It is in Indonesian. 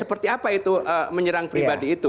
seperti apa itu menyerang pribadi itu